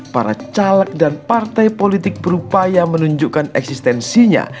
para caleg dan partai politik berupaya menunjukkan eksistensinya